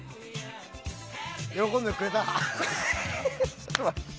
喜んでくれた？